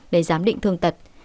để giám định thương tật